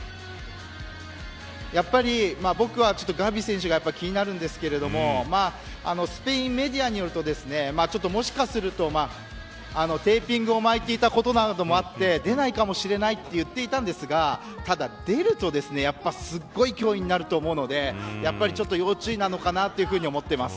やっぱり僕はガヴィ選手が気になるんですけどスペインメディアによるともしかすると、テーピングを巻いていたことなどもあって出ないかもしれないと言っていましたがただ出るとすごい脅威になるのでやっぱり要注意なのかなと思っています。